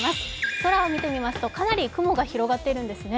空を見てみますと、かなり雲が広がっているんですね。